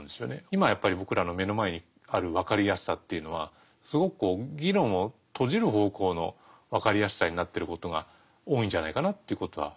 今やっぱり僕らの目の前にあるわかりやすさっていうのはすごくこう議論を閉じる方向のわかりやすさになってることが多いんじゃないかなということは。